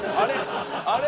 あれ？